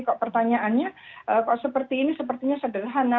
kok pertanyaannya kok seperti ini sepertinya sederhana